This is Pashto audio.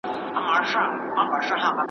سل دي ومره خو د سلو سر دي مه مره .